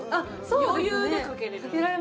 余裕でかけられる。